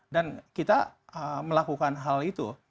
dan kita melakukan hal itu